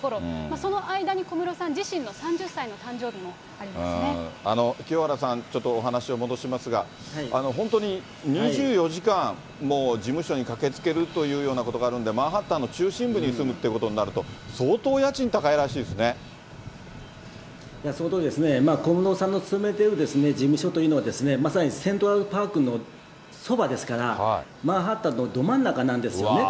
その間に小室さん自身の３０歳の清原さん、ちょっとお話を戻しますが、本当に２４時間もう事務所に駆けつけるというようなことがあるんで、マンハッタンの中心部に住むっていうことになると、そのとおりですね、小室さんの勤めている事務所というのは、まさにセントラルパークのそばですから、マンハッタンのど真ん中なんですよね。